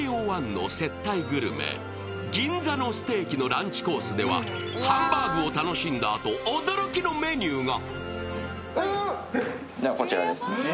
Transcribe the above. ＪＯ１の接待グルメ、銀座のステーキのランチコースではハンバーグを楽しんだあと、驚きのメニューが。